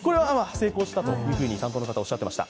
成功したと担当の方おっしゃってました。